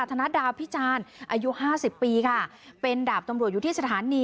ธนดาพิจารณ์อายุห้าสิบปีค่ะเป็นดาบตำรวจอยู่ที่สถานี